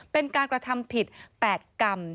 เป็นการกระทำผิด๘กรรม